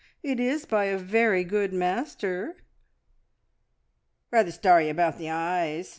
It is by a very good master!" "Rather starry about the eyes!"